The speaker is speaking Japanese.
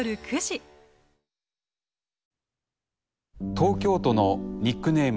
東京都のニックネーム